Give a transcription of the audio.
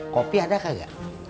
kopi ada kagak